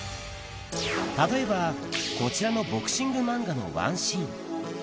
例えばこちらのボクシング漫画のワンシーン。